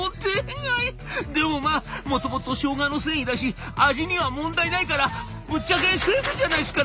でもまあもともとしょうがの繊維だし味には問題ないからぶっちゃけセーフじゃないっすかね？